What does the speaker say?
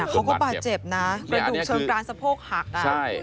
เขาก็บาดเจ็บนะกระดูกเชิงกรานสะโพกหัก